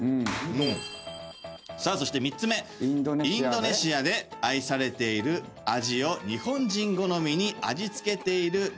そして３つ目インドネシアで愛されている味を日本人好みに味付けている。